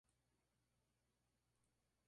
Debajo se dan muestras de estas dos variantes.